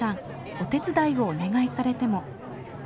お手伝いをお願いされても。